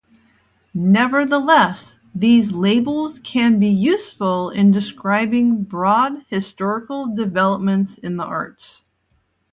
Nevertheless, these labels can be useful in describing broad historical developments in the arts.